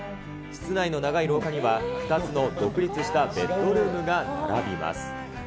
室内の長い廊下には、２つの独立したベッドルームが並びます。